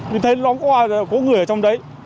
mình thấy nó có người ở trong đấy